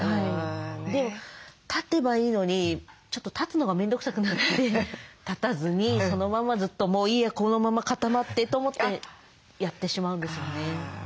でも立てばいいのにちょっと立つのが面倒くさくなって立たずにそのままずっとと思ってやってしまうんですよね。